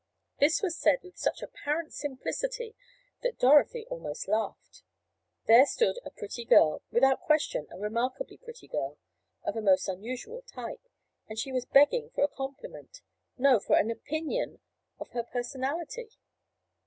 This was said with such apparent simplicity that Dorothy almost laughed. There stood a pretty girl—without question a remarkably pretty girl—of a most unusual type—and she was begging for a compliment—no, for an opinion of her personality!